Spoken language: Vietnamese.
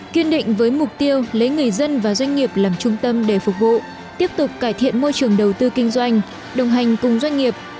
kiên định với mục tiêu lấy người dân và doanh nghiệp làm trung tâm để phục vụ tiếp tục cải thiện môi trường đầu tư kinh doanh đồng hành cùng doanh nghiệp